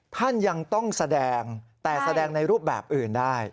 ท่านยังต้องแสดงแต่แสดงในรูปแบบอื่นได้